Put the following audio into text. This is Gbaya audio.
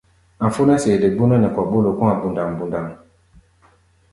A̧ fó nɛ́ sede gbónɛ́ nɛ kɔ̧ ɓólo kɔ̧́-a̧ bundaŋ-bundaŋ.